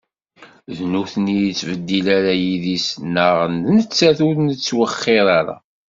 D nutni ur nettbeddil ara idis, neɣ d nettat ur nttwexxir ara?